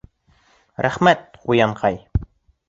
Рәхмәт, ҡуянҡай!